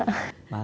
đến mấy giờ sáng